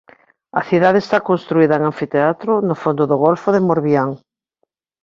A cidade está construída en anfiteatro no fondo do golfo de Morbihan.